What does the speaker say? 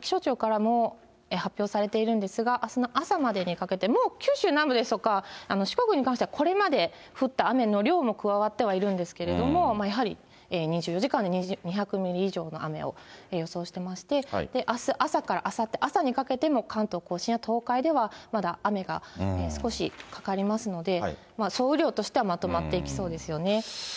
気象庁からも発表されているんですが、あすの朝までにかけて、九州南部ですとか、四国に関しては、これまで降った雨の量も加わってはいるんですけれども、やはり２４時間で２００ミリ以上の雨を予想していまして、あす朝からあさって朝にかけても、関東甲信や東海では、まだ雨が少しかかりますので、総雨量としてはまとまっていきそうですよね。